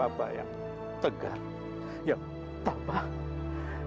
apa yang akan defense saat ini